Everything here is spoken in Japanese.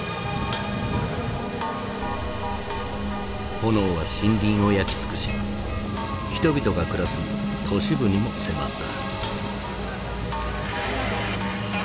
炎は森林を焼き尽くし人々が暮らす都市部にも迫った。